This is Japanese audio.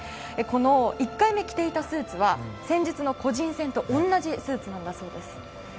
この１回目、着ていたスーツは先日の個人戦と同じスーツなんだそうです。